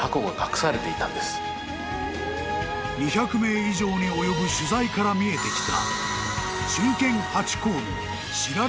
［２００名以上に及ぶ取材から見えてきた］